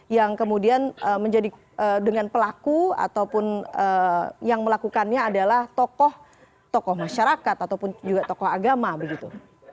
yang kemudian menjadi dengan pelaku ataupun yang melakukannya adalah tokoh tokoh masyarakat ataupun juga tokoh agama begitu